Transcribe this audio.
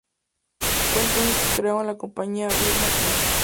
Fue entonces que crearon la compañía BirdMan Inc.